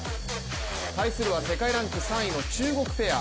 対するは世界ランク３位の中国ペア。